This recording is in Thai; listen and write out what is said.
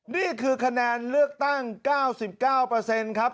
นี่คือคะแนนเลือกตั้ง๙๙ครับ